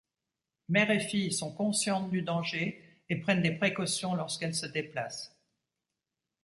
Mère et fille sont conscientes du danger et prennent des précautions lorsqu'elles se déplacent.